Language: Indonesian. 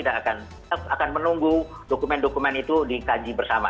kita akan menunggu dokumen dokumen itu dikaji bersama